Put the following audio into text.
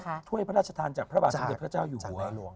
ถ้วยพระราชทานจากพระบาทสมเด็จพระเจ้าอยู่หัว